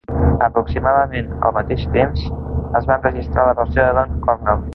Aproximadament al mateix temps, es va enregistrar la versió de Don Cornell.